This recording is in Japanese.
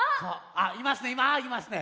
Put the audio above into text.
あっいますねあいますね。